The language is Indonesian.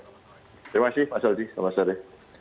terima kasih mas aldi selamat sore